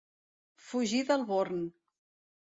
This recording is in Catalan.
Fugir del born.